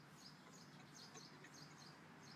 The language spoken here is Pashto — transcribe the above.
ایا زه باید ماشوم ته کلسیم ورکړم؟